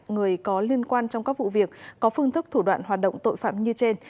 người có liên quan trong các vụ việc có phương thức thủ đoạn hoạt động tội phạm như trên